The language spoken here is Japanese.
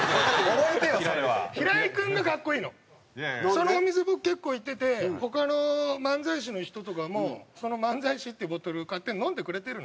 そのお店僕結構行ってて他の漫才師の人とかもその「漫才師」ってボトル勝手に飲んでくれてるのよ。